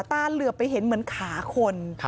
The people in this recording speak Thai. ต้านเรือไปเห็นเหมือนขาขน